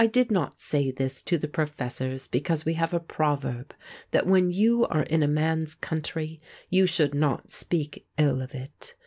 I did not say this to the professors because we have a proverb that when you are in a man's country you should not speak ill of it.